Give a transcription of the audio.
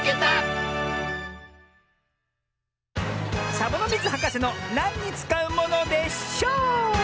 サボノミズはかせの「なんにつかうものでショー」！